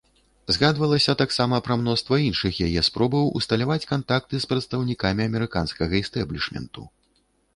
Згадвалася таксама пра мноства іншых яе спробаў усталяваць кантакты з прадстаўнікамі амерыканскага істэблішменту.